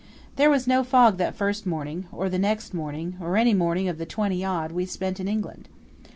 There was no fog that first morning, or the next morning, or any morning of the twenty odd we spent in England.